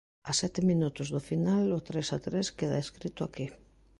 A sete minutos do final o tres a tres queda escrito aquí.